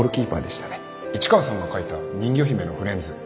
市川さんが描いた人魚姫のフレンズ